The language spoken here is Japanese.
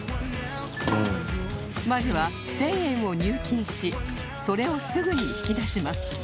まずは１０００円を入金しそれをすぐに引き出します